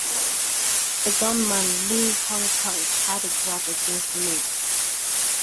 The gunman, Li Hung Hung, had a grudge against May.